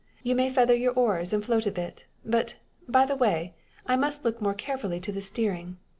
You may feather your oars, and float a bit. But, by the way, I must look more carefully to the steering.